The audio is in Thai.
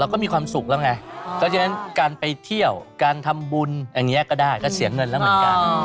เราก็มีความสุขแล้วไงการไปเที่ยวการทำบุญเเงี่ยก็ได้ก็เสียเงินแล้วเหมือนกัน